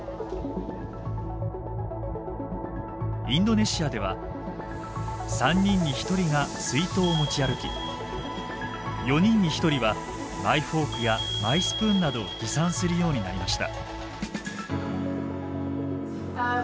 インドネシアでは３人に１人が水筒を持ち歩き４人に１人はマイフォークやマイスプーンなどを持参するようになりました。